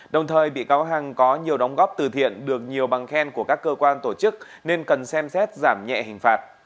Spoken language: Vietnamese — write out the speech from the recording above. đồng thời bị cáo hằng có nhiều đóng góp từ thiện được nhiều bằng khen của các cơ quan tổ chức nên cần xem xét giảm nhẹ hình phạt